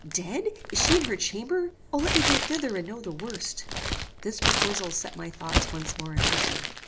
Dead? Is she in her chamber? O let me go thither and know the worst!" "This proposal set my thoughts once more in motion.